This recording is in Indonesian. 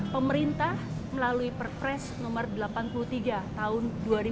pemerintah melalui perpres no delapan puluh tiga tahun dua ribu delapan belas